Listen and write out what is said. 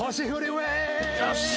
よっしゃ。